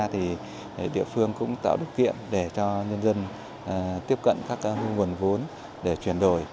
thì địa phương cũng tạo điều kiện để cho nhân dân tiếp cận các nguồn vốn để chuyển đổi